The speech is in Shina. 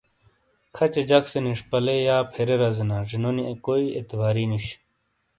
کھچے جک سے نشپالے/فیرے رزے نا زنونی کوئی اعتباری نوش۔